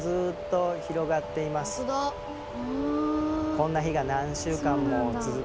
こんな日が何週間も続くんですよ。